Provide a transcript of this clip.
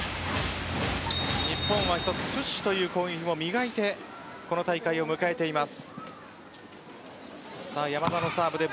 日本は一つプッシュという攻撃を磨いてこの大会を迎えています。